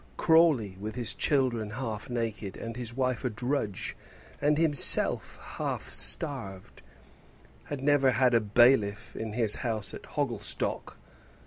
Crawley, with his children half naked, and his wife a drudge, and himself half starved, had never had a bailiff in his house at Hogglestock!